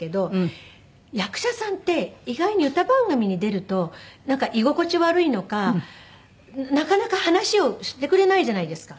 役者さんって意外に歌番組に出るとなんか居心地悪いのかなかなか話をしてくれないじゃないですか。